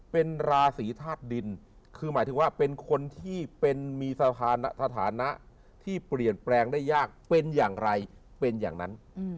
เป็นราศีธาตุดินคือหมายถึงว่าเป็นคนที่เป็นมีสถานะที่เปลี่ยนแปลงได้ยากเป็นอย่างไรเป็นอย่างนั้น